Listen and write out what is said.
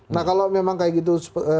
nah kalau memang kayak gitu